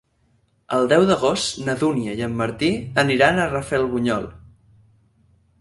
El deu d'agost na Dúnia i en Martí aniran a Rafelbunyol.